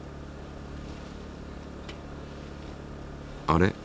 あれ？